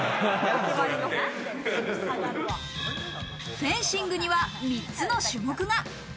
フェンシングには３つの種目が。